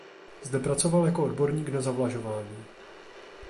Zde pracoval jako odborník na zavlažování.